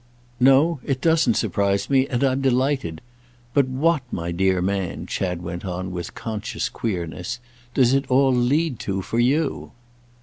"No, it doesn't surprise me, and I'm delighted. But what, my dear man," Chad went on with conscious queerness, "does it all lead to for you?"